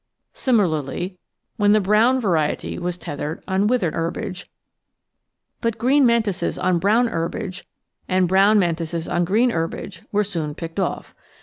Similarly, when the brown variety was tethered on withered herbage. But green Mantises on brown herbage and brown Mantises on green herbage were soon picked off.